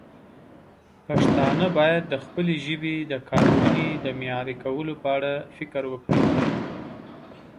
پښتانه باید د خپلې ژبې د کارونې د معیاري کولو په اړه فکر وکړي.